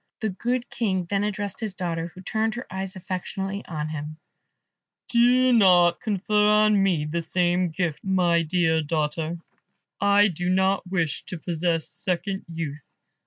The good King then addressed his daughter, who turned her eyes affectionately on him, "Do not confer on me the same gift, my dear daughter; I do not wish to possess second youth.